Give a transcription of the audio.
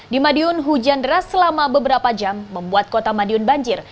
di madiun hujan deras selama beberapa jam membuat kota madiun banjir